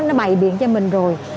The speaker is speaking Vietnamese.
nó bày biện cho mình rồi